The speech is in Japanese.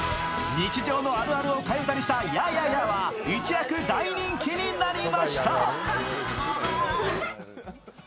日常のあるあるを替え歌にした「ＹＡＨＹＡＨＹＡＨ」は一躍大人気になりました。